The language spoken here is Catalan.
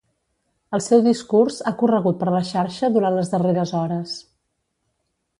El seu discurs ha corregut per la xarxa durant les darreres hores.